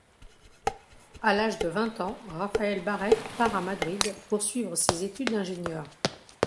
À l'âge de vingt ans, Rafael Barrett part à Madrid poursuivre ses études d'ingénieur.